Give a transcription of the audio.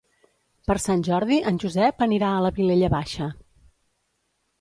Per Sant Jordi en Josep anirà a la Vilella Baixa.